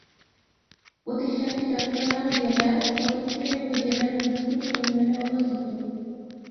প্রতিষ্ঠানটি চট্টগ্রাম জেলার ফটিকছড়ি উপজেলার ভূজপুর ইউনিয়নে অবস্থিত।